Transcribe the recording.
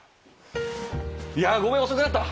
ごめん、遅くなった。